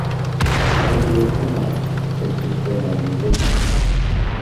Гэта як пенальці, толькі складаней забіць.